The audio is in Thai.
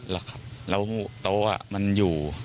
แล้วโต๊ะมันอยู่